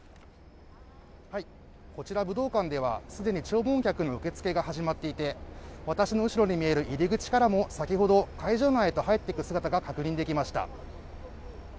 こちら武道館ではすでに弔問客の受付が始まっていて私の後ろに見える入り口からも先ほど会場内へと入っていく姿が確認できました